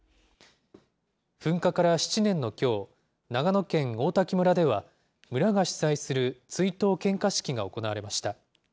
噴火から７年のきょう、長野県王滝村では、村が主催する追悼献花式が行われました。